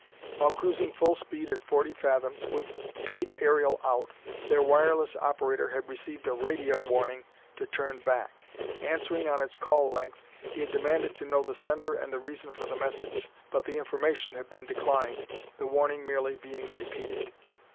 While cruising full speed at forty fathoms, with kite aerial out, their wireless operator had received a radio warning to turn back. Answering on its call length, he had demanded to know the sender and the reason for the message, but the information had been declined, the warning merely being repeated.